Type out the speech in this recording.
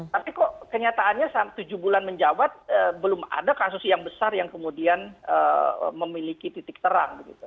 tapi kok kenyataannya tujuh bulan menjawab belum ada kasus yang besar yang kemudian memiliki titik terang begitu